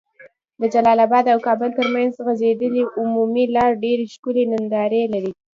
د جلال اباد او کابل تر منځ غځيدلي عمومي لار ډيري ښکلي ننداري لرې